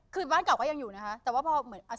คืออยู่เฉาบ้านนะ